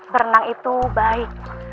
berenang itu baik